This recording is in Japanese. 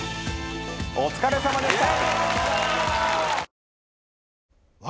お疲れさまでした。